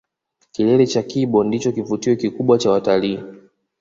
Kilele cha kibo ndicho kivutio kikubwa kwa watalii